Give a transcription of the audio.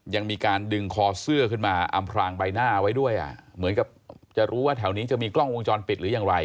ยังมีการดึงคอเสื้อขึ้นมาอำพลางใบหน้าไว้ด้วยอ่ะเหมือนกับจะรู้ว่าแถวนี้จะมีกล้องวงจรปิดหรือยังไร